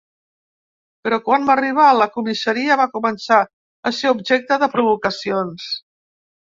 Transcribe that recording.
Però quan va arribar a la comissaria va començar a ser objecte de provocacions.